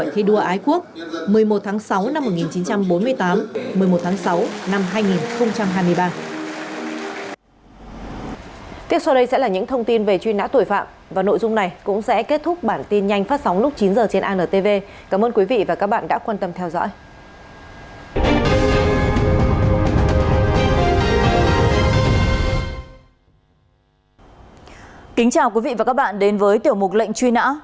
một mươi một tháng ba năm một nghìn chín trăm bốn mươi tám một mươi một tháng ba năm hai nghìn hai mươi ba bảy mươi năm năm ngày chủ tịch hồ chí minh ra lời kêu gọi thi đua ái quốc